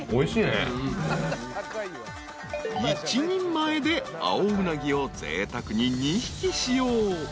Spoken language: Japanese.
［１人前で青うなぎをぜいたくに２匹使用］